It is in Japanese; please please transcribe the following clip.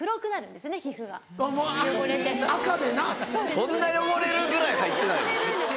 そんな汚れるぐらい入ってないの？